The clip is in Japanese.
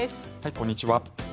こんにちは。